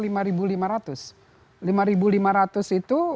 lima lima ratus itu satu saja punya sepuluh relasi